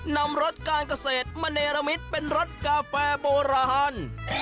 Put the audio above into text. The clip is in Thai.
นำรถการเกษตรมเนรมิตเป็นรถกาแฟโบราณ